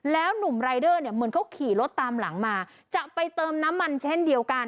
แล้วหนุ่มรายเดอร์เนี่ยเหมือนเขาขี่รถตามหลังมาจะไปเติมน้ำมันเช่นเดียวกัน